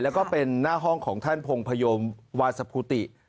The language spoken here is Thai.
แล้วก็เป็นหน้าห้องของท่านพงพยมวาสภูติ